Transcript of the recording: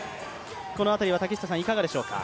この辺りは竹下さん、いかがでしょうか？